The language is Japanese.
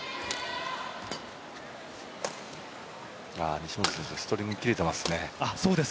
西本選手ストリング、切れてますね。